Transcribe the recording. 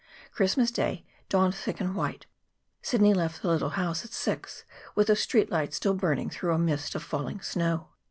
Christmas Day dawned thick and white. Sidney left the little house at six, with the street light still burning through a mist of falling snow.